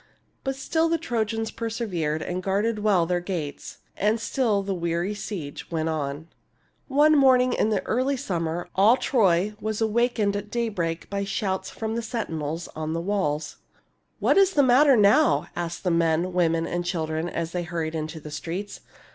But still the Trojans persevered and guarded well their gates ; and still the weary siege went on. THE FALL OF TROY 139 II. THE GREAT HORSE One morning in the early summer all Troy was awakened at daybreak by shouts from the sentinels on the walls. " What is the matter now ?" asked men, women, and children, as they hurried into the streets.